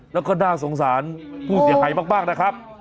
แล้วก็น่าสงสารพี่ใส่ไหมากนะครับ